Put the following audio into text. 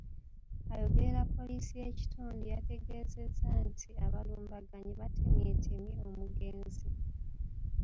Ayogerera Poliisi y’ekitundu yategeezezza nti abalumbaganyi baatemyetemye omugenzi